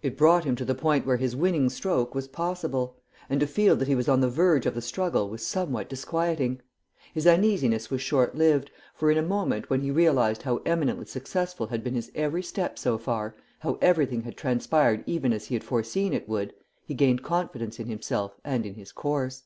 It brought him to the point where his winning stroke was possible, and to feel that he was on the verge of the struggle was somewhat disquieting. His uneasiness was short lived, for in a moment when he realized how eminently successful had been his every step so far, how everything had transpired even as he had foreseen it would, he gained confidence in himself and in his course.